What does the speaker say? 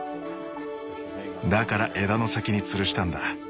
だから枝の先につるしたんだ。